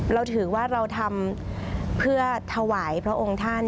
เราถือว่าเราทำเพื่อถวายพระองค์ท่าน